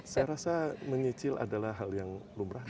saya rasa menyicil adalah hal yang lumrah